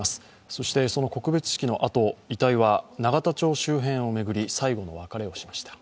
そしてその告別式のあと遺体は永田町周辺を巡り最後の別れをしました。